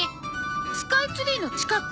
スカイツリーの近く。